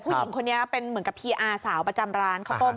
ผู้หญิงคนนี้เป็นเหมือนกับพีอาสาวประจำร้านข้าวต้ม